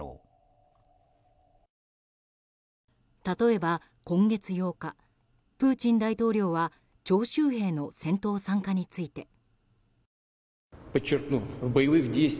例えば今月８日プーチン大統領は徴集兵の戦闘参加について。